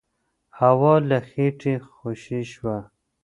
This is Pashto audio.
هوا له خېټې خوشې شوه.